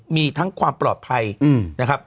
มีทั้งความปลอดภัยนะครับ